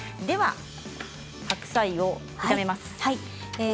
では白菜を炒めます。